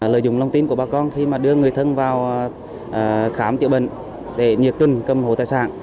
lợi dụng lòng tin của bà con khi mà đưa người thân vào khám chữa bệnh để nhiệt tình cầm hồ tài sản